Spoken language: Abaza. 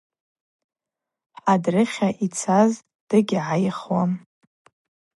Хӏадрыхьа йцаз дыгьгӏайхуам.